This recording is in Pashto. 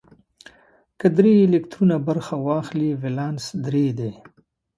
که درې الکترونه برخه واخلي ولانس درې دی.